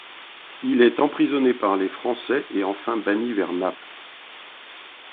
Il est emprisonné par les Français et enfin banni vers Naples.